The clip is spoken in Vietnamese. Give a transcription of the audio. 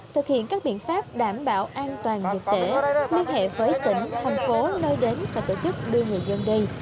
thực hiện các biện pháp đảm bảo an toàn dịch tễ liên hệ với tỉnh thành phố nơi đến và tổ chức đưa người dân đi